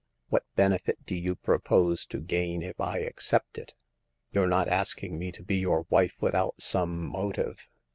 What benefit do you propose to gain if I accept it ? You're not asking me to be your wife without some motive."